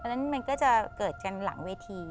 นั้นมันก็จะเกิดกันหลังเวที